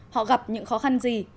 họ gặp những khó khăn gì